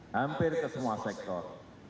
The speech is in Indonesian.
hampir ke semua sektor